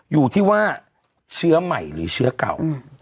อยู่ที่ว่าเชื้อใหม่หรือเชื้อเก่า